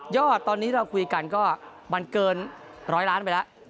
อดตอนนี้เราคุยกันก็มันเกินร้อยล้านไปแล้ว